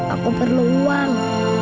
aku perlu uang